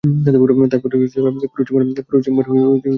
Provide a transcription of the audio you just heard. তারপরই পুরো চেম্বার জলে ভরে যায়।